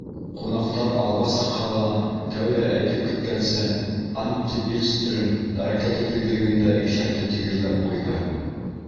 Ҡунаҡтар алға сыҡһа ла, тәүҙә әйтеп киткәнсә, Антти Пильстрем ракета тиҙлегендә иҫәпте тигеҙләп ҡуйҙы.